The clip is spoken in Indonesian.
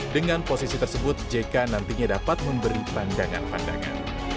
dengan posisi tersebut jk nantinya dapat memberi pandangan pandangan